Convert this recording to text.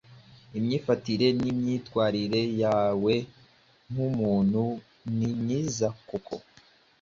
Imyifatire n’imyitwarire yawe nk’umuntu nimyiza koko